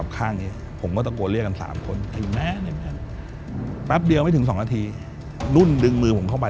แค่เป็นตัวคนก็น่ากลัวนี่คือคุมไว